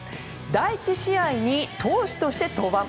第１試合に投手として登板。